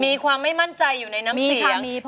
มีความไม่มั่นใจอยู่ในน้ำเสียง